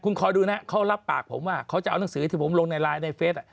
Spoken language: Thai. คุณคอยดูนะเขารับปากผมว่าเขาจะเอาหนังสือที่ผมลงในไลน์ในเฟส